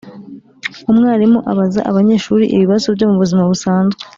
Umwarimu abaza abanyeshuri ibibazo byo mu buzima busanzwe